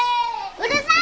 うるさい。